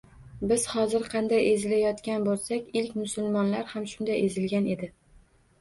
Biz hozir qanday ezilayotgan bo‘lsak, ilk musulmonlar ham shunday ezilgan edi